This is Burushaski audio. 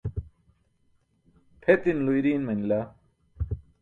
Pʰetinulo iriin manila.